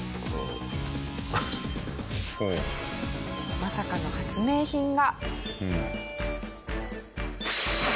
まさかの発明品が。